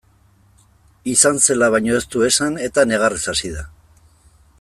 Izan zela baino ez du esan eta negarrez hasi da.